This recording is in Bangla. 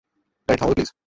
গাড়িটা থামাবে প্লিজ?